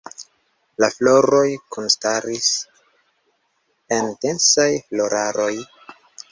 La floroj kunstaris en densaj floraroj.